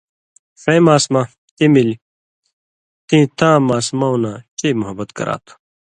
ݜَیں ماسمہ تی ملیۡ تیں تاں ماسمؤں نہ چئ محبت کراتھو